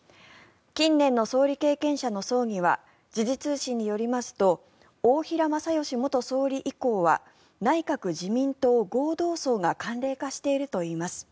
近年の総理経験者の葬儀は時事通信によりますと大平正芳元総理大臣以降は内閣・自民党合同葬が慣例化しているといいます。